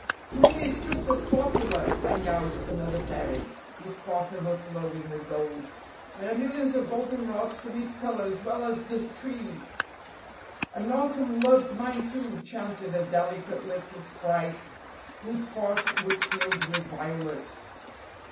"Mine is just as popular," sang out another fairy, his pot overflowing with gold. "There are millions of goldenrods for me to colour as well as the trees!" "And autumn loves mine too," chanted a delicate little sprite whose pot was filled with violet.